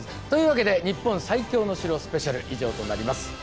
というわけで「日本最強の城スペシャル」以上となります。